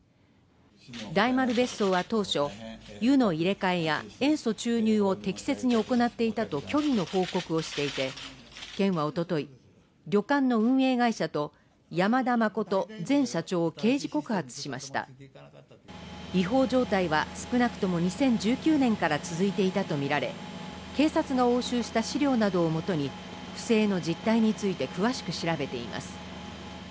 大丸別荘は当初湯の入れ替えや塩素注入を適切に行っていたと虚偽の報告をしていて、県はおととい、旅館の運営会社と山田真社長を刑事告発しました違法状態は少なくとも２０１９年から続いていたとみられ、警察が押収した資料などを基に、不正の実態について詳しく調べています。